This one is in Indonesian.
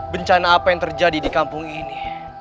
bencana apa yang terjadi di kampung ini